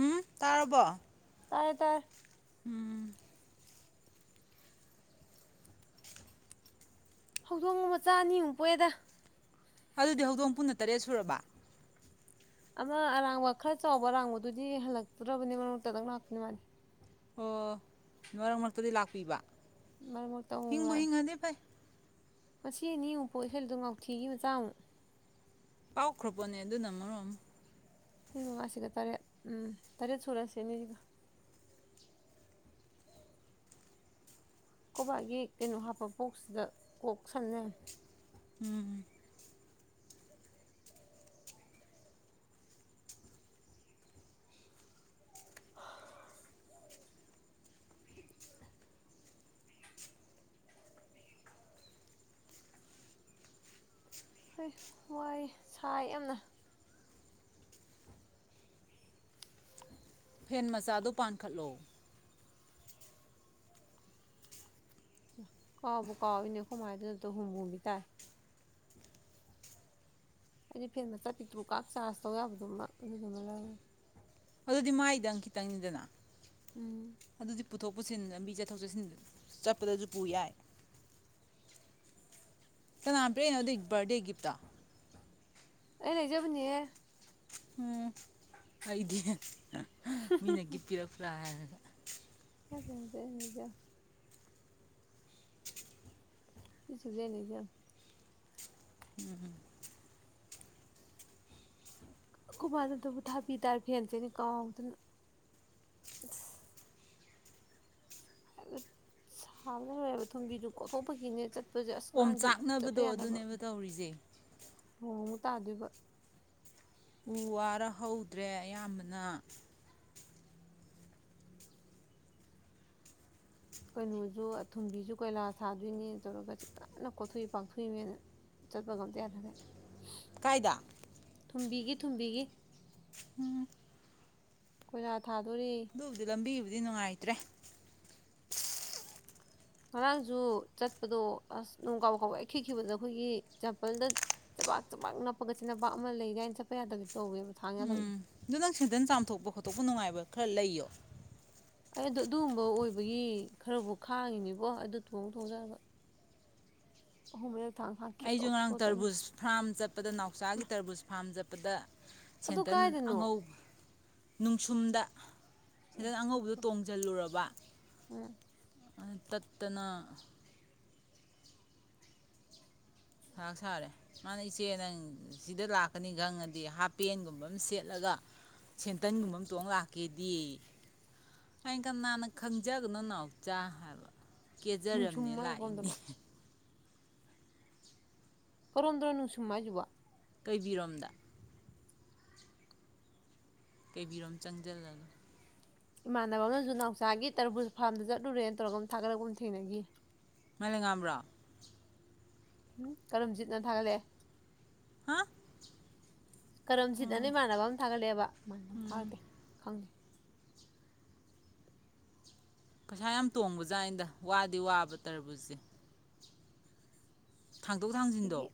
ꯎꯝ ꯇꯥꯔꯔꯕꯣ ꯇꯥꯏꯌꯦ ꯇꯥꯏ ꯍꯧꯗꯣꯡꯒ ꯃꯆꯥ ꯑꯅꯤꯃꯨꯛ ꯄꯣꯛꯑꯦꯗ ꯑꯗꯨꯗꯤ ꯍꯧꯗꯣꯡ ꯄꯨꯟꯅ ꯇꯔꯦꯠ ꯁꯨꯔꯕ ꯑꯃ ꯑꯔꯥꯡꯕ ꯈꯔ ꯆꯥꯎꯕ ꯑꯔꯥꯡꯕꯗꯨꯗꯤ ꯍꯜꯂꯛꯇꯨ꯭ꯔꯕꯅꯤ ꯃꯔꯛꯇꯗꯪ ꯂꯥꯛꯇꯅꯤ ꯃꯥꯅꯤ ꯑꯣ ꯃꯔꯣꯏꯛ ꯃꯔꯛꯇꯗꯤ ꯂꯥꯛꯄꯤꯕ ꯃꯔꯛ ꯍꯤꯡꯕꯨꯣ ꯍꯤꯡ ꯑꯗꯦ ꯄꯥꯏ ꯉ ꯑꯅꯤ ꯑꯃꯨꯛ ꯄꯣ ꯏꯁꯩꯗꯣ ꯉꯥꯎꯊꯤꯒꯤ ꯃꯆꯥ ꯑꯃꯨꯛ ꯄꯥꯎꯈ꯭ꯔꯕꯅꯦ ꯑꯗꯨꯅ ꯃꯔꯣꯝ ꯃꯉꯥꯁꯤꯒ ꯇꯔꯦꯠ ꯎꯝ ꯇꯔꯦꯠ ꯁꯨꯔꯁꯤꯅꯦꯅꯤꯁꯤꯒ ꯀꯣꯕꯥꯥꯛꯒꯤ ꯀꯩꯅꯣ ꯍꯥꯞꯄ ꯕꯣꯛꯁꯁꯤꯗ ꯀꯣꯛ ꯁꯟꯅꯟꯅꯩ ꯎꯝ [unintelligible] ꯍꯣꯏ ꯋꯥꯏ ꯁꯥꯏ ꯌꯥꯝꯅ ꯐꯦꯟ ꯃꯆꯥꯗꯨ ꯄꯥꯟꯈꯠꯂꯣ ꯀꯥꯎꯕ ꯀꯥ ꯏꯅꯦ ꯍꯨꯃꯥꯏꯗ ꯑꯗꯨꯇꯣ ꯍ ꯍꯃꯤ ꯇ ꯑꯩꯗꯤ ꯐꯦꯟ ꯃꯆꯥꯠ ꯄꯤꯛꯇ꯭ꯔꯨꯀ ꯆꯥꯔꯖ ꯇꯧ ꯌꯥꯕꯗꯨꯃ ꯑꯗꯨꯗꯨꯃ ꯂꯧꯋꯦ ꯑꯗꯨꯗꯤ ꯃꯥꯏꯗꯪ ꯈꯤꯇꯪꯅꯤꯗꯅ ꯎꯝ ꯑꯗꯨꯗꯤ ꯄꯨꯊꯣꯛꯄ ꯄꯨꯁꯤꯟ ꯂꯝꯕꯤ ꯆꯠꯊꯣꯛ ꯆꯠꯁꯤꯟ ꯆꯠꯄꯗꯁꯨ ꯄꯨ ꯌꯥꯏ ꯀꯅꯥꯝ ꯄꯔꯅꯣ ꯑꯗꯨꯒꯤ ꯕꯥꯔꯗꯦ ꯒꯤꯐꯇꯣ ꯑ ꯂꯩꯖꯕꯅꯤꯌꯦ ꯎꯝ ꯑꯩꯗꯤ ꯃꯤꯅꯒꯤ ꯄꯤꯔ ꯐ꯭ꯔꯥ ꯑꯗꯨꯗ ꯑꯗꯨꯗꯖ ꯁꯤꯁꯨꯒꯦ ꯅꯖꯦꯜ ꯎꯝꯝ ꯀꯃꯅꯗꯕꯨ ꯊꯥꯕꯤ ꯇꯥꯔꯦ ꯐꯦꯟꯁꯦꯅꯦ ꯀꯥꯎꯗꯅ ꯑꯁ ꯍꯥꯏꯕ ꯁꯥꯕꯗ ꯂꯣꯏꯕ ꯊꯨꯝꯕꯤꯗꯨ ꯀꯣꯊꯣꯛꯄꯒꯤꯅꯦꯠ ꯑꯣꯝ ꯆꯥꯛꯅꯕꯗꯣ ꯑꯗꯨꯅꯦꯕ ꯇꯧꯔꯤꯁꯦ ꯍꯨ ꯇꯥꯗꯣꯏꯕ ꯎ ꯋꯥꯔ ꯍꯧꯗ꯭ꯔꯦ ꯑꯌꯥꯝꯕꯅ ꯀꯩꯅꯣꯁꯨ ꯑꯊꯨꯝꯕꯤꯁꯨ ꯀꯣꯏꯂꯥ ꯁꯥꯗꯣꯏꯅꯦ ꯇꯧꯔꯒ ꯀꯟꯅ ꯀꯣꯊꯣꯛꯏ ꯄꯥꯛꯊꯣꯛꯏꯅꯦꯅ ꯆꯠꯄꯒ ꯑꯝꯇ ꯌꯥ ꯊꯥꯒꯠꯦ ꯀꯥꯏꯗ ꯊꯨꯝꯕꯤꯒꯦ ꯊꯨꯝꯕꯤꯒꯦ ꯎꯝ ꯀꯣꯏ ꯔ ꯑꯗꯨꯕꯨꯗꯤ ꯂꯝꯕꯤꯕꯨꯗꯤ ꯅꯨꯡꯉꯥꯏꯇ꯭ꯔꯦ ꯉꯔꯥꯡꯁꯨ ꯆꯠꯄꯗꯣ ꯑꯁ ꯅꯣꯡ ꯀꯥꯎꯕ ꯀꯥꯎ ꯌꯥꯈꯤꯈꯤꯕꯗꯣ ꯑꯩꯈꯣꯏꯒꯤ ꯆꯦꯝꯄꯜꯗ ꯆꯕꯥꯛ ꯆꯕꯥꯛ ꯅꯞꯄꯒ ꯆꯆꯤꯟꯟꯅꯄꯥꯛꯥꯛ ꯑꯃ ꯂꯩ ꯀꯥꯏꯅ ꯆꯠꯄ ꯌꯥꯗꯕꯗ ꯎꯝ ꯑꯗꯨ ꯅꯪ ꯁꯤꯗꯅ ꯆꯥꯝꯊꯣꯛꯄ ꯈꯣꯠꯇ ꯑꯇꯣꯞꯄ ꯅꯨꯡꯉꯥꯏꯕ ꯈꯔ ꯂꯩꯌꯣ ꯑꯩꯗ ꯑꯗꯨꯒꯨꯝꯕ ꯑꯣꯏꯕꯒꯤ ꯈꯔꯕꯨ ꯈꯥꯡꯉꯤꯅꯦꯕꯣ ꯑꯗꯨꯗ ꯊꯣꯡ ꯊꯣꯡꯖꯔꯕ ꯑꯣ ꯃ ꯑꯩꯁꯨ ꯉꯔꯥꯡ ꯇꯔꯕꯨꯖ ꯐꯥꯔꯝ ꯆꯠꯄꯗ ꯅꯥꯎꯆꯥꯒꯤ ꯃꯥ ꯇꯔꯕꯨꯖ ꯐꯥꯔꯝ ꯆꯠꯄꯗ ꯑꯗꯨ ꯁꯦꯟꯇꯟ ꯀꯥꯏꯗꯅꯣ ꯑꯉꯧ ꯅꯨꯡꯁꯨꯝꯗ ꯁꯤꯗꯪ ꯑꯉꯧꯕꯗꯣ ꯍꯥꯞꯄ꯭ꯔꯣ? ꯇꯣꯡꯁꯤꯜꯂꯨꯔꯕ ꯎꯝ ꯠꯇꯅ ꯆꯔꯥꯛ ꯁꯥꯔꯦ ꯃꯥꯅ ꯏꯆꯦ ꯅꯪ ꯁꯤꯗ ꯂꯥꯛꯀꯅꯤ ꯈꯪꯉꯗꯤ ꯍꯥꯄꯦꯟꯒꯨꯝꯕ ꯑꯃ ꯁꯦꯠꯂꯒ ꯁꯦꯟꯇꯟꯒꯨꯝꯕ ꯑꯃꯇꯣꯡ ꯂꯥꯛꯀꯦꯗꯤ ꯑꯩ ꯀ ꯅꯅꯥꯥꯟꯟꯅ ꯈꯪꯖꯒꯅꯨ ꯅꯅꯥꯎ ꯆꯥꯍꯜ ꯅꯨꯡꯁꯨꯝ ꯀꯦꯖꯔꯝꯅꯦ ꯍꯥꯏꯁꯦ ꯂꯥꯛꯏꯅꯦ ꯀꯔꯣꯝꯗꯅꯣ ꯀꯟꯗ꯭ꯔꯅꯅꯨꯡꯁꯨꯝ ꯌꯨ ꯀꯩꯕꯤꯔꯣꯝꯗ ꯀꯩꯕꯤꯔꯣꯝ ꯆꯪꯁꯤꯜꯂꯅꯨ ꯏꯃꯥꯟꯅꯕ ꯑꯃꯅꯁꯨ ꯅꯥꯎꯆꯥꯒꯤ ꯇꯔꯕꯨꯜ ꯐꯥꯔꯝꯗ ꯆꯠꯂꯨꯔꯦꯅ ꯇꯧꯔꯒ ꯊꯥꯒꯠꯂꯛꯒ ꯊꯦꯡꯅꯈꯤ ꯃ ꯂꯩ ꯉꯝꯕ꯭ꯔꯣ ꯎꯝ ꯀꯔꯝ ꯖꯤꯠꯅ ꯊꯥꯒꯠꯂꯛꯑꯦ ꯍꯥ ꯀꯔꯝ ꯁꯤꯠꯅꯅ ꯎꯝ ꯏꯃꯥꯟꯅꯕ ꯑꯃ ꯊꯥꯒꯠꯂꯛꯑꯦꯕ ꯎꯝ ꯊꯥꯒꯠꯇꯦ ꯈꯪꯗꯦ ꯄꯩꯁꯥ ꯌꯥꯝ ꯇꯣꯡꯕꯖꯥꯠ ꯑꯗ ꯋꯥꯗꯤ ꯋꯥꯕ ꯇꯔꯕꯁꯦ ꯊꯥꯡꯗꯣꯛ ꯊꯥꯡꯖꯤꯟꯗꯣ ꯁꯤꯒꯤ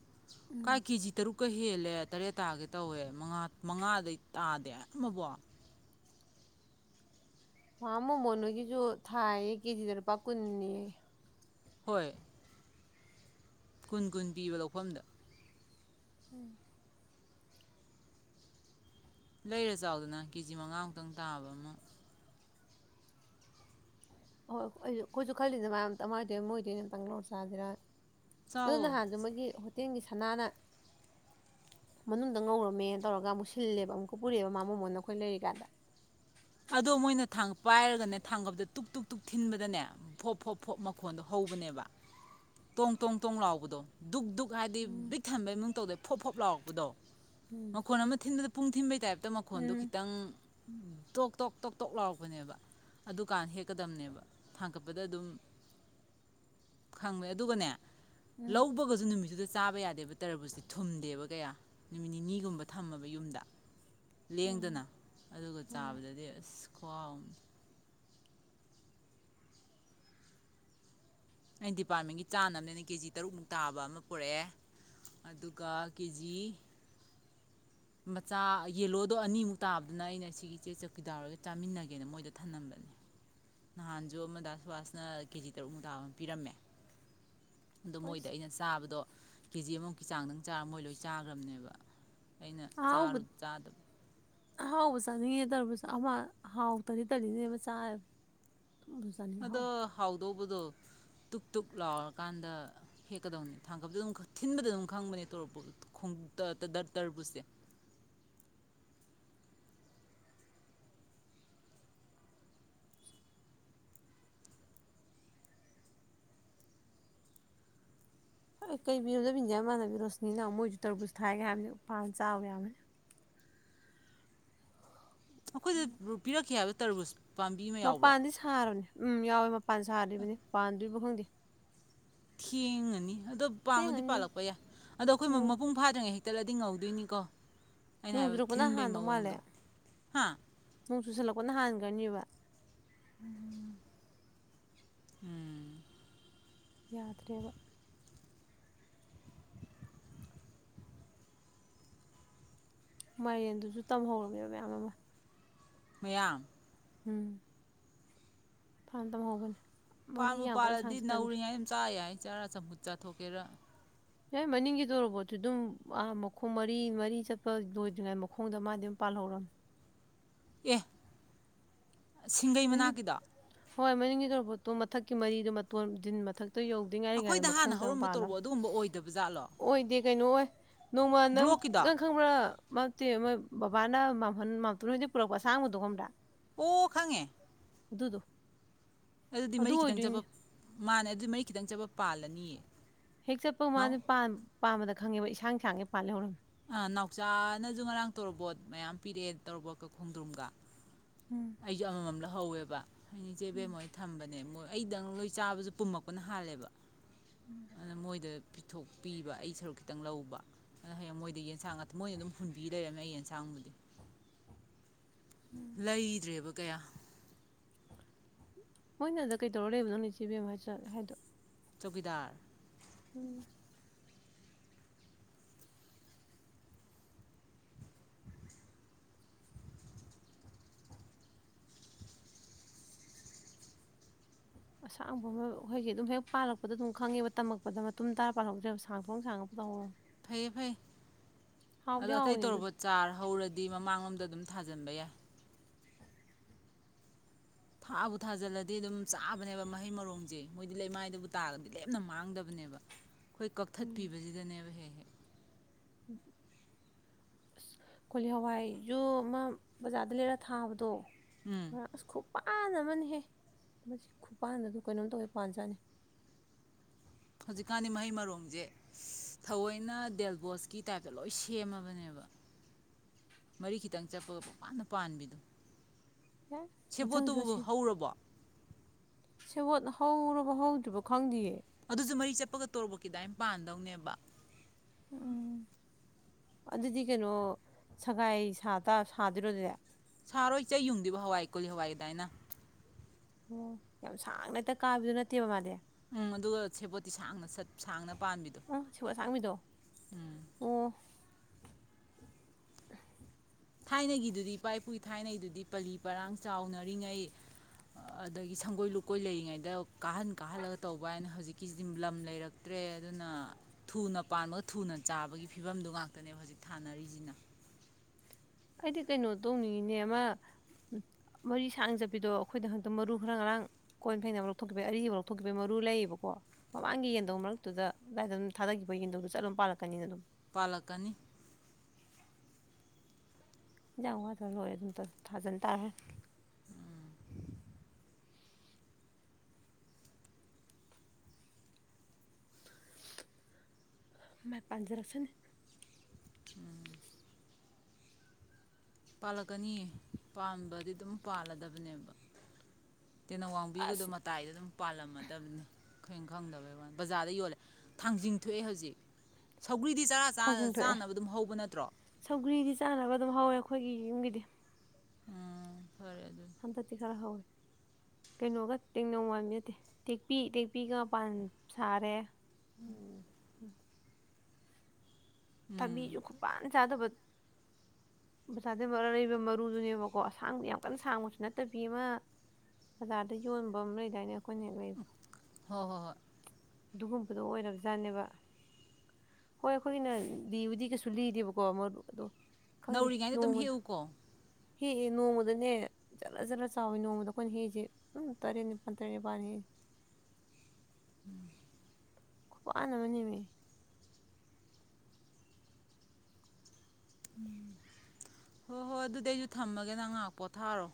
ꯎꯝ ꯀꯥꯏ ꯀꯦꯖꯤ ꯇꯔꯨꯛ ꯑꯃꯨꯛꯀ ꯍꯦꯜꯂꯦ ꯇꯔꯦꯠ ꯇꯥꯒꯦ ꯇꯧꯋꯦ ꯃꯉꯥ ꯃꯉꯥꯗꯩ ꯇꯥꯗꯦ ꯑꯃꯕꯣ ꯃꯥ ꯃꯣꯅꯣ ꯈꯣꯏꯒꯤꯁꯨ ꯊꯥꯏꯌꯦ ꯀꯦꯖꯤꯗ ꯂꯨꯄꯥ ꯀꯨꯟꯅꯤꯌꯦ ꯍꯣꯏ ꯀꯨꯟ-ꯀꯨꯟ ꯄꯤꯕ ꯂꯧꯐꯝꯗ ꯎꯨꯝ ꯂꯩꯔ ꯆꯥꯎꯗꯅ ꯀꯦꯖꯤ ꯃꯉꯥꯃꯨꯛꯇꯪ ꯇꯥꯕ ꯑꯃꯥ ꯍꯣꯏ ꯑꯩ ꯑꯩꯈꯣꯏꯁꯨ ꯈꯜꯂꯤꯗ ꯃꯌꯥꯝ ꯃꯥꯏꯗ ꯃꯣꯏꯗꯤ ꯑꯩꯅ ꯑꯝꯇꯪ ꯂꯧꯔ ꯆꯁꯤꯔꯅ ꯑꯗꯨ ꯆꯥꯎꯋꯣ ꯅꯍꯥꯟꯗꯨ ꯃꯣꯏꯒꯤ ꯍꯣ ꯇꯤꯡꯒꯤ ꯁꯅꯥꯅ ꯃꯅꯨꯡꯗ ꯉꯧꯔꯝꯃꯦꯅ ꯇꯧꯔꯒ ꯑꯃꯨꯛ ꯁꯤꯜꯂꯦꯕ ꯑꯃꯨꯛꯀ ꯄꯨꯔꯛꯑꯦꯕ ꯃꯥ ꯃꯣꯅꯣꯅ ꯑꯩꯈꯣꯏ ꯂꯩꯔꯤꯀꯥꯟꯗ ꯑꯗꯣ ꯃꯣꯏꯅꯥ ꯊꯥꯡ ꯄꯥꯏꯔꯒꯅꯦ ꯊꯥꯡꯒꯞꯗ ꯇꯨꯛ ꯇꯨꯛ ꯇꯨꯛ ꯊꯤꯟꯕꯗꯅꯦ ꯐꯣꯞ ꯐꯣꯞ ꯐꯣꯞ ꯃꯈꯣꯟꯗꯣ ꯍꯧꯕꯅꯦꯕ ꯇꯣꯡ ꯇꯣꯡ ꯇꯣꯡ ꯂꯥꯎꯕꯗꯣ ꯗꯨꯛ ꯗꯨꯛ ꯍꯥꯏꯗꯤ ꯎꯝ ꯕꯤꯛ ꯊꯝꯕꯩ ꯃꯑꯣꯡ ꯇꯧꯗꯦ ꯐꯣꯞ-ꯐꯣꯞ ꯂꯥꯎꯔꯛꯄꯗꯣ ꯎꯝ ꯃꯈꯣꯜ ꯑꯃ ꯊꯤꯟꯕꯗ ꯄꯨꯡ ꯊꯤꯟꯕꯩ ꯇꯥꯏꯞꯇ ꯃꯈꯣꯟꯗꯨ ꯎꯝ ꯈꯤꯇꯪ ꯇꯣꯛ ꯇꯣꯛ ꯇꯣꯛ ꯇꯣꯛ ꯂꯥꯎꯔꯛꯄꯅꯦꯕ ꯑꯗꯨꯀꯥꯟ ꯍꯦꯛꯀꯗꯕꯅꯦꯕ ꯊꯥꯡꯒꯠꯄꯗ ꯑꯗꯨꯝ ꯈꯪꯕꯅꯦ ꯑꯗꯨꯒꯅꯦ ꯎꯝ ꯂꯧꯕꯒꯁꯨ ꯅꯨꯃꯤꯠꯇꯨꯗ ꯆꯥꯕ ꯌꯥꯗꯦꯕ ꯇꯔꯕꯨꯁꯇꯤ ꯊꯨꯝꯗꯦꯕ ꯀꯌꯥ ꯅꯨꯃꯤꯠ ꯅꯤꯅꯤꯒꯨꯝꯕ ꯊꯝꯃꯕ ꯌꯨꯝꯗ ꯂꯦꯡꯗꯅ ꯎꯝ ꯑꯗꯨꯒ ꯎꯝ ꯆꯥꯕꯗꯗꯤ ꯏꯁ ꯈꯨꯍꯥꯎ ꯑꯃꯅꯤ ꯑꯩꯅ ꯗꯤꯄꯥꯔꯠꯃꯦꯟꯒꯤ ꯆꯥꯅꯕꯅꯦꯅ ꯀꯦ ꯖꯤ ꯇꯔꯨꯛꯃꯨꯛ ꯇꯥꯕ ꯑꯃ ꯄꯨꯔꯛꯑꯦ ꯑꯗꯨꯒ ꯀꯦ ꯖꯤ ꯃꯆꯥ ꯌꯦꯂꯣꯗꯣ ꯑꯅꯤꯃꯨꯛ ꯇꯥꯕꯗꯨꯅ ꯑꯩꯅ ꯁꯤꯒꯤ ꯏꯆꯦ ꯆꯥꯎꯀꯤꯗꯥꯔ ꯈꯣꯏꯒꯥ ꯆꯥꯃꯤꯟꯅꯒꯦꯅ ꯃꯣꯏꯗ ꯊꯝꯂꯝꯕꯅꯦ ꯅꯍꯥꯟꯁꯨ ꯑꯃ ꯗꯥ ꯁꯋꯥꯁꯅ ꯀꯦꯖꯤ ꯇꯔꯨꯛꯃꯨꯛ ꯇꯥꯕ ꯑꯃ ꯄꯤꯔꯝꯃꯦ ꯑꯗꯣ ꯃꯣꯏꯗ ꯍꯣꯏꯁ ꯑꯩꯅ ꯆꯥꯕꯗꯣ ꯀꯦꯖꯤ ꯑꯃꯃꯨꯛꯀꯤ ꯆꯥꯡꯗꯪ ꯆꯥꯔꯝꯃꯒ ꯃꯣꯏ ꯂꯣꯏ ꯆꯥꯈ꯭ꯔꯕꯅꯦꯕ ꯑꯩꯅꯥ ꯑꯍꯥꯎꯕ ꯆꯥꯔꯨ ꯆꯥꯗꯕ ꯑꯍꯥꯎꯕ ꯆꯥꯅꯤꯡꯉꯦ ꯇꯔꯕꯨꯁ ꯑꯃ ꯍꯥꯎꯇ꯭ꯔꯗꯤ ꯇꯜꯂꯤꯅꯦ ꯑꯃ ꯆꯥꯌ ꯑꯗꯣ ꯍꯥꯎꯗꯣꯕꯗꯨ ꯇꯨꯛ ꯇꯨꯛ ꯂꯥꯎꯔꯀꯥꯟꯗ ꯍꯦꯛꯀꯗꯧꯅꯦ ꯊꯥꯡꯀꯞꯗ ꯑꯗꯨꯝ ꯊꯤꯟꯕꯗ ꯑꯗꯨꯝ ꯈꯪꯕꯅꯦ ꯇꯣꯔꯣꯞꯄꯣꯡ ꯗ ꯗ ꯇꯔꯕꯨꯁꯇꯤ ꯍꯣꯏ ꯀꯩꯕꯤꯔꯣꯗꯕꯤꯟꯁꯦ ꯏꯃꯥꯟꯅꯕꯤ ꯔꯣꯁꯅꯤꯅ ꯃꯣꯏꯁꯨ ꯇꯔꯕꯨꯨꯁ ꯊꯥꯏꯒ ꯍꯥꯏꯕꯅꯤ ꯄꯥꯜꯂꯗꯤ ꯆꯥꯕ ꯌꯥꯕꯅꯤ ꯑꯩꯈꯣꯏꯗ ꯔꯨ ꯄꯤꯔꯛꯈꯤ ꯍꯥꯏ ꯇꯥꯔꯕꯨꯁ ꯃꯄꯥꯟꯗꯤ ꯁꯥꯔꯕꯅꯦ ꯎꯝ ꯌꯥꯎꯋꯦ ꯃꯄꯥꯟ ꯁꯥꯗ꯭ꯔꯤꯕꯅꯤ ꯄꯥꯟꯗ꯭ꯔꯤꯕ ꯈꯪꯗꯦ ꯊꯦꯡ-ꯉꯅꯤ ꯑꯗꯣ ꯄꯥꯟꯕꯨꯗꯤ ꯊꯦꯡꯉꯅꯤ ꯄꯥꯜꯂꯛꯄ ꯌꯥꯏ ꯑꯗꯣ ꯑꯩꯈꯣꯏ ꯅꯣꯡ ꯃꯄꯨꯡ ꯐꯥꯗ꯭ꯔꯤꯉꯩ ꯍꯦꯛ ꯇꯦꯜꯂꯗꯤ ꯉꯧꯗꯣꯏꯅꯤꯀꯣ ꯑꯩꯅ ꯍꯥꯏꯕ ꯅꯣꯡꯖꯨꯔꯛꯄꯅ ꯊꯤꯟꯕꯩ ꯍꯥꯡꯗꯣ ꯃꯥꯜꯂꯦ ꯃꯑꯣꯡꯗꯣ ꯍꯥ ꯅꯣꯡ ꯆꯨꯁꯜꯂꯛꯄꯅ ꯍꯥꯟꯒ꯭ꯔꯅꯤꯕ ꯎ ꯎꯨꯝ ꯌꯥꯗ꯭ꯔꯦꯕ ꯃꯥꯏꯔꯦꯟꯗꯨꯁꯨ ꯇꯝꯍꯧꯔꯕꯅꯦꯕ ꯃꯌꯥꯝ ꯑꯃ ꯃꯌꯥꯡ ꯎꯝ ꯐꯥꯟ ꯇꯝ ꯍꯧꯕꯅꯦ ꯄꯥꯝꯕꯨ ꯄꯥꯜꯂꯗꯤ ꯅꯧꯔꯤꯉꯩ ꯑꯗꯨꯝ ꯆꯥ ꯌꯥꯏ ꯆꯥꯔ ꯆꯝꯐꯨꯠ ꯆꯥ ꯊꯣꯛꯀꯦꯔ ꯌꯥꯏ ꯃꯅꯤꯡꯒꯤ ꯇꯧꯔꯕꯣꯠꯇ ꯑꯗꯨꯝ ꯑꯥ ꯃꯈꯣꯡ ꯃꯔꯤ ꯃꯔꯤ ꯆꯠꯄ ꯂꯣꯏꯗ꯭ꯔꯤꯉꯩ ꯃꯈꯣꯡꯗ ꯃꯥꯗꯤ ꯑꯗꯨꯝ ꯄꯥꯜꯍꯧꯔꯝꯃꯦ ꯑꯦ ꯁꯤꯡꯒꯩ ꯅꯪꯒꯤ ꯃꯅꯥꯛꯀꯤꯗꯣ ꯍꯣꯏ ꯃꯅꯤꯡꯒꯤ ꯇꯣꯔꯣꯕꯣꯠꯇꯣ ꯃꯊꯛꯀꯤ ꯃꯔꯤꯗꯨ ꯃꯇꯣꯟ ꯗꯤꯟ ꯃꯊꯛ ꯇꯣ ꯌꯧꯗ꯭ꯔꯤꯉꯥꯏꯔꯤ ꯉꯥꯏꯗ ꯑꯩꯈꯣꯏꯗ ꯍꯥꯟꯅ ꯃꯈꯣꯡꯗ ꯍꯧꯔꯝꯕ ꯄꯥꯜꯂꯝ ꯇꯣꯔꯕꯣꯠ ꯑꯗꯨꯒꯨꯝꯕ ꯑꯣꯏꯗꯕ ꯖꯥꯠꯂꯣ ꯑꯣꯏꯗꯦ ꯀꯩꯅꯣ ꯑꯣꯏ ꯅꯣꯡꯃ ꯅꯪ ꯕ꯭ꯂꯣꯛꯀꯤꯗꯣ ꯅꯪ ꯈꯪꯕ꯭ꯔꯥ ꯅꯠ ꯅꯠꯇꯦ ꯕꯕꯥꯅ ꯃꯥꯝꯇꯣꯟ ꯍꯣꯏꯗꯒꯤ ꯄꯨꯔꯛꯄ ꯑꯁꯥꯡꯕꯗꯣ ꯈꯪꯕꯔ꯭ ꯑꯣ ꯈꯪꯉꯦ ꯑꯣ ꯑꯗꯨꯗꯣ ꯑꯗꯨꯗꯤ ꯑꯗꯨ ꯃꯔꯤ ꯈꯤꯇꯪ ꯆꯠꯄ ꯑꯣꯏꯗꯣꯏꯅꯦ ꯃꯥꯅꯦ ꯑꯗꯨꯗꯤ ꯃꯔꯤ ꯈꯤꯇꯪ ꯆꯕ ꯄꯥꯜꯂꯅꯤꯌꯦ ꯍꯦꯛ ꯆꯠꯄ ꯅꯥꯎ ꯃꯥꯗꯤ ꯄꯥꯟ ꯄꯥꯜꯕꯗ ꯈꯪꯉꯦꯕ ꯏꯁꯥꯡ ꯁꯥꯡꯒꯤꯦ ꯄꯥꯜꯍꯧꯔꯝꯃꯦ ꯑ ꯅꯥꯎꯆꯥꯅꯁꯨ ꯉꯔꯥꯡ ꯇꯣꯔꯣꯕꯣꯠ ꯃꯌꯥꯝ ꯄꯤꯔꯛꯑꯦ ꯇꯣꯔꯣꯕꯣꯠꯀ ꯈꯣꯡꯗ꯭ꯔꯨꯝꯒ ꯎꯝ ꯑꯩꯖꯨ ꯑꯃꯃꯝ ꯂꯧꯍꯧ ꯍꯧꯋꯦꯕ ꯑꯩ ꯏꯆꯦ ꯕꯦꯝꯃ ꯃꯣꯏ ꯊꯝꯕꯅꯦ ꯃꯣꯏ ꯑꯩꯗꯪ ꯂꯣꯏ ꯆꯥꯕꯁꯨ ꯄꯨꯝꯃꯛꯄꯅ ꯍꯥꯜꯂꯦꯕ ꯑꯗꯨꯅ [inaudible] ꯃꯣꯏꯗ ꯄꯤꯊꯣꯛꯄꯤꯕ ꯑꯩ ꯁꯔꯨꯛ ꯈꯤꯇꯪ ꯂꯧꯕ ꯑꯗꯨ ꯍꯌꯦꯡ ꯃꯣꯏꯗ ꯌꯦꯟꯁꯥꯡ ꯉꯥꯛꯇ ꯃꯣꯏꯅ ꯑꯗꯨꯝ ꯍꯨꯟꯕꯤ ꯂꯩꯔꯝꯃꯦ ꯑꯩ ꯌꯦꯟꯁꯥꯡꯕꯨꯗꯤ ꯂꯩꯗ꯭ꯔꯦꯕ ꯀꯌꯥ ꯃꯣꯏꯅ ꯑꯗꯨꯗ ꯀꯩꯗꯧꯔ ꯂꯩꯕꯅꯣ ꯏꯆꯦꯕꯦꯝ ꯍꯥꯏꯍꯥꯏꯗꯣ? ꯆꯧꯀꯤꯗꯥꯔ꯫ ꯎꯝ꯫ ꯑꯁꯥꯡꯕ ꯑꯃꯈꯣꯏꯒꯤ ꯑꯗꯨꯝ ꯍꯦꯛ ꯄꯥꯜꯂꯛꯄꯗ ꯑꯗꯨꯝ ꯈꯪꯉꯦꯕ ꯇꯝꯃꯛꯄꯗ ꯃꯇꯨꯝ ꯇꯥꯔ ꯄꯥꯜꯍꯧꯗ꯭ꯔꯦꯕ ꯁꯥꯡ ꯊꯣꯡ ꯁꯥꯡꯉꯒ ꯇꯧꯔ ꯐꯩꯌꯦ ꯐꯩ ꯑꯗꯣ ꯍꯥꯎꯗꯤ ꯑꯇꯩ ꯍꯥꯎꯕꯅꯦ ꯑꯗꯨꯗꯣ ꯇꯣꯔꯣꯕꯣꯠ ꯆꯥꯔ ꯍꯧꯔꯗꯤ ꯃꯃꯥꯡꯂꯣꯝꯗ ꯑꯗꯨꯝ ꯊꯥꯖꯤꯟꯕ ꯌꯥꯏ꯫ ꯊꯥꯕꯨ ꯊꯥꯖꯤꯜꯂꯗꯤ ꯑꯗꯨꯝ ꯆꯥꯕꯅꯦꯕ ꯃꯍꯩ ꯃꯔꯣꯡꯁꯦ ꯃꯣꯏꯗꯤ ꯂꯩꯃꯥꯏꯗꯕꯨ ꯇꯥꯔꯒꯗꯤ ꯂꯦꯝꯅ ꯃꯥꯡꯗꯕꯅꯦꯕ꯫ ꯑꯩꯈꯣꯏ ꯎꯝ ꯀꯛꯊꯠꯄꯤꯕꯁꯤꯗꯅꯦꯕ ꯍꯦꯛ- ꯍꯦꯛ ꯑꯁ ꯀꯣꯂꯤ ꯍꯋꯥꯏꯖꯨ ꯑꯃ ꯕꯖꯥꯔꯗ ꯂꯩꯔ ꯊꯥꯕꯗꯣ ꯎꯝ ꯑꯁ ꯈꯨꯄꯥꯥꯜ ꯑꯃꯅꯦꯍꯦ ꯃꯁꯤ ꯈꯨꯄꯥꯟꯗꯁꯨ ꯀꯩꯅꯣꯝ ꯇꯧꯋꯦ ꯄꯥꯟꯖꯥꯠꯅꯤ! ꯍꯧꯖꯤꯛꯀꯥꯟꯗꯤ ꯃꯍꯩ ꯃꯔꯣꯡꯖꯦ ꯊꯑꯣꯏꯅ ꯗꯦꯜꯕꯣꯁꯀꯤ ꯇꯥꯏꯞꯇ ꯂꯣꯏ ꯁꯦꯝꯃꯕꯅꯦꯕ ꯃꯔꯤ ꯈꯤꯇꯪ ꯆꯠꯄꯒ ꯄꯪꯄꯥꯟꯗ- ꯄꯥꯟꯕꯤꯗꯣ꯫ ꯌꯥ ꯃꯊꯪꯁꯨ ꯁꯦꯕꯣꯠꯇꯨꯕꯨ ꯑꯁꯤ ꯍꯧꯔꯕꯣ ꯁꯦꯕꯣꯠꯂ ꯍꯧꯔꯕꯣ - ꯍꯧꯗ꯭ꯔꯤꯕ ꯈꯪꯗꯤ ꯌꯦ꯫ ꯑꯗꯨꯁꯨ ꯃꯔꯤ ꯆꯠꯄꯒ ꯇꯣꯔꯣꯠꯀꯤ ꯗꯥꯏꯅ ꯄꯥꯟꯗꯧꯅꯦꯕ꯫ ꯎꯝ ꯑꯗꯨꯗꯤ ꯀꯩꯅꯣ ꯁꯒꯥꯏ ꯁꯥ ꯇ ꯁꯥꯗꯣꯏꯔꯣ ꯑꯗꯨꯗꯤ? ꯁꯥꯔꯣꯏ ꯆꯩ ꯌꯨꯡꯗꯤꯕ ꯍꯋꯥꯏ ꯀꯣꯜꯂꯤ ꯍꯋꯥꯏꯗꯥꯏꯅ꯫ ꯑꯣ ꯌꯥꯝ ꯁꯥꯡꯅ ꯍꯦꯛꯇ ꯀꯥꯕꯤꯗꯨ ꯅꯠꯇꯦꯕ ꯃꯥꯗꯤ ꯎꯝ ꯑꯗꯨꯒ ꯁꯦꯄꯣꯠꯇꯤ ꯁꯥꯡꯅ ꯆꯠ ꯁꯥꯡꯅ ꯄꯥꯝꯕꯤꯗꯣ ꯑꯣ ꯁꯦꯕꯣꯠ ꯑꯁꯥꯡꯕꯤꯗꯣ ꯎꯝ꯫ ꯑꯣ ꯊꯥꯏꯅꯒꯤꯗꯨꯗꯤ ꯏꯄꯥ ꯏꯄꯨꯒꯤ ꯊꯥꯏꯅꯒꯤꯗꯨꯗꯤ ꯄꯂꯤ ꯄꯔꯥꯡ ꯆꯥꯎꯅꯔꯤꯉꯩ ꯑꯗꯒꯤ ꯁꯪꯒꯣꯏ ꯂꯨꯀꯣꯏ ꯂꯩꯔꯤꯉꯩꯗ ꯀꯥꯍꯟ ꯀꯥꯍꯜꯂꯒ ꯇꯧꯕ ꯋꯅꯤ ꯍꯧꯖꯤꯛꯀꯤꯁꯤꯗꯤ ꯂꯝ ꯂꯩꯔꯛꯇ꯭ꯔꯦ ꯑꯗꯨꯅ ꯊꯨꯅ ꯄꯥꯟꯕꯒ ꯊꯨꯅ ꯆꯥꯕꯒꯤ ꯐꯤꯕꯝꯗꯨ ꯉꯥꯛꯇꯅꯦꯕ ꯍꯧꯖꯤꯛ ꯊꯥꯅꯔꯤꯁꯤꯅ꯫ ꯑꯩꯗꯤ ꯀꯩꯅꯣ ꯇꯧꯅꯤꯡꯉꯤꯅꯦ ꯑꯃ ꯃꯔꯤ ꯁꯥꯡꯅ ꯆꯠꯄꯤꯗꯣ ꯑꯩꯈꯣꯏꯗ ꯍꯛꯇ ꯃꯔꯨ ꯈꯔ ꯉꯔꯥꯡ ꯀꯣꯏꯟ ꯐꯦꯡꯅꯕ ꯂꯧꯊꯣꯛꯈꯤꯕꯩ ꯑꯔꯤꯕ ꯑꯃ ꯂꯧꯊꯣꯛꯈꯤꯕꯒꯤ ꯃꯔꯨ ꯂꯩꯌꯦꯕꯀꯣ ꯃꯃꯥꯡꯒꯤ ꯌꯦꯟꯗꯧ ꯃꯔꯛꯇꯨꯗ ꯑꯗꯨꯗꯥꯏꯗ ꯑꯗꯨꯝ ꯊꯥꯗꯈꯤꯕ ꯌꯦꯟꯗꯧꯗꯨ ꯆꯠ ꯑꯗꯨꯝ ꯄꯥꯜꯂꯛꯀꯅꯤꯅ ꯄꯂꯛꯀꯅꯤ꯫ ꯌꯦꯟꯖꯥꯡ ꯋꯥꯇ ꯂꯣꯔꯦ ꯑꯗꯨꯝ ꯊꯥꯖꯟ ꯇꯥꯔꯦ꯫ ꯃꯥꯏ ꯄꯥꯟꯖ ꯔꯛꯁꯅꯤ꯫ ꯎꯝ꯫ ꯄꯥꯜꯂꯛꯀꯅꯤꯌꯦ ꯄꯥꯟꯕꯗꯤ ꯑꯗꯨꯝ ꯄꯥꯜꯂꯗꯕꯅꯦꯕ꯫ ꯇꯦꯅꯋꯥꯡꯕꯤꯒꯗꯣ ꯑꯁ ꯃꯇꯥꯏꯗ ꯑꯗꯨꯝ ꯄꯥꯜꯂꯝꯃꯗꯝꯅꯤ꯫ ꯈꯣꯏꯅ ꯈꯪꯗꯕꯩ ꯋꯅꯤ ꯕꯖꯥꯔꯗ ꯌꯣꯜꯂꯦ ꯊꯥꯡꯖꯤꯡ ꯊꯣꯛꯑꯦ ꯍꯧꯖꯤꯛ꯫ ꯁꯧꯒ꯭ꯔꯤꯗꯤ ꯆꯔꯥ ꯊꯥꯡꯖꯤꯡ ꯊꯣꯛꯑꯦ ꯆꯥꯅꯕ ꯑꯗꯨꯝ ꯍꯧꯕ ꯅꯠꯇ꯭ꯔꯣ? ꯁꯧꯒ꯭ꯔꯤꯗꯤ ꯆꯥꯅꯕ ꯑꯗꯨꯝ ꯍꯧꯔꯦ ꯑꯩꯈꯣꯏꯒꯤ ꯌꯨꯝꯒꯤꯗꯤ ꯎꯝ ꯐꯔꯦ꯫ ꯑꯗꯨ ꯍꯟꯗꯛꯇꯤ ꯈꯔ ꯍꯧꯋꯦ ꯀꯩꯅꯣꯒ ꯇꯦꯡꯅꯧ ꯋꯥꯃꯤ ꯅꯠꯇꯦ ꯇꯦꯛꯄꯤ ꯇꯦꯛꯄꯤꯒ ꯃꯥꯄꯥꯟ ꯁꯥꯔꯦ꯫ [inaudible] ꯎꯝ ꯊꯕꯤꯖꯨ ꯈꯨꯄꯥꯟ ꯆꯥꯗꯕ ꯕꯖꯥꯔꯗꯩ ꯕꯔ ꯂꯩꯕ ꯃꯔꯨꯗꯨꯅꯦꯕꯀꯣ ꯑꯁꯥꯡꯗꯤ ꯌꯥꯝ ꯀꯟꯅ ꯁꯥꯡꯕꯁꯨ ꯅꯠꯇꯕꯤ ꯑꯃ ꯕꯖꯥꯔꯗ ꯌꯣꯟꯕ ꯑꯃ ꯂꯩꯗꯥꯏꯅꯦ ꯈꯣꯏꯅ ꯍꯦꯛ ꯂꯩꯕ ꯍꯣꯏ ꯍꯣꯏ ꯍꯣꯏ ꯑꯗꯨꯒꯨꯝꯕꯗꯣ ꯑꯣꯏꯔꯕꯖꯥꯠꯅꯦꯕ ꯍꯣꯏ ꯑꯩꯈꯣꯏꯒꯤꯅ ꯂꯤꯕꯨꯗꯤ ꯀꯩꯁꯨ ꯂꯤꯗꯦꯕꯀꯣ ꯃꯔꯨ ꯑꯗꯣ ꯅꯧꯔꯤꯉꯩꯗ ꯑꯗꯨꯝ ꯍꯦꯛꯎ ꯀꯣ ꯍꯦꯛꯑ ꯅꯣꯡꯃꯗꯅꯦ ꯖꯔ ꯖꯔ ꯆꯥꯎꯋꯤ ꯅꯣꯡꯃꯗ ꯑꯩꯈꯣꯏꯅ ꯍꯦꯛꯏꯁꯦ ꯑꯗꯨꯝ ꯇꯔꯦꯠ ꯅꯤꯄꯥꯜ ꯇꯔꯦꯠ ꯅꯤꯄꯥꯜ ꯍꯦꯛꯑꯦ ꯎꯝ ꯈꯨꯄꯥꯟ ꯑꯃ ꯅꯦꯝꯃꯤ ꯎꯝ ꯍꯣ ꯍꯣ ꯑꯗꯨꯗꯤ ꯑꯩꯖꯨ ꯊꯝꯃꯒꯦ ꯅꯪ ꯉꯥꯏꯍꯥꯛ ꯄꯣꯊꯥꯔꯣ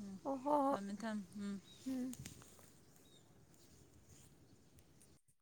ꯎꯝ ꯑꯣ ꯍꯣ ꯍꯣ ꯊꯝꯃꯦ ꯊꯝꯃꯦ ꯎꯝ